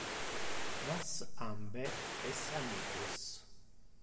Nos ambe es amicos.